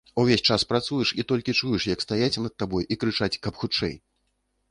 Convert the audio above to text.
Увесь час працуеш, і толькі чуеш, як стаяць над табой і крычаць, каб хутчэй.